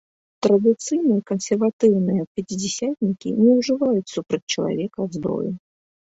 Традыцыйныя кансерватыўныя пяцідзясятнікі не ўжываюць супраць чалавека зброі.